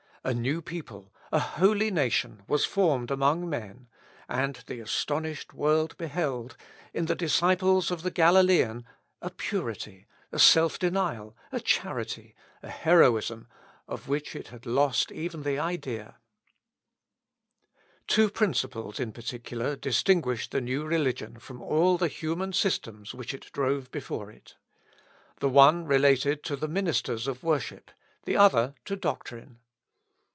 A new people, a holy nation, was formed among men, and the astonished world beheld, in the disciples of the Galilean, a purity, a self denial, a charity, a heroism, of which it had lost even the idea. Οια τις ηλιου βολη. (Hist. Eccl., ii, 3.) Two principles, in particular, distinguished the new religion from all the human systems which it drove before it. The one related to the ministers of worship, the other to doctrine.